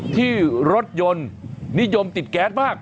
ที่รถยนต์นิยมติดแก๊สมาก